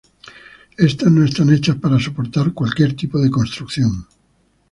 Estas no están hechas para soportar cualquier tipo de construcción.